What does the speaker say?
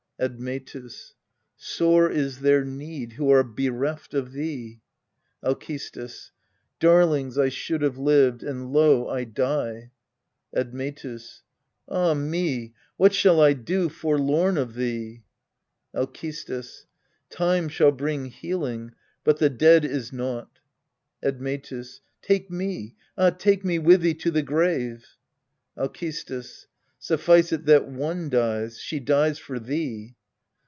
Admetus. Sore is their need, who are bereft of thee. Alcestis. Darlings, I should have lived ; and lo, I die. Admetus. Ah me ! what shall I do, forlorn of thee ? Alcestis. Time shall bring healing but the dead is naught. Admetus. Take me, ah, take me with thee to the grave ! Alcestis. Suffice it that one dies she dies for thee.